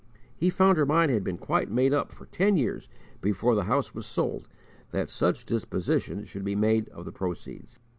He found her mind had been quite made up for ten years before the house was sold that such disposition should be made of the proceeds.